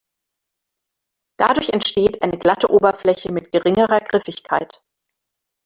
Dadurch entsteht eine glatte Oberfläche mit geringerer Griffigkeit.